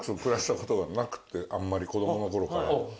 あんまり子供のころから。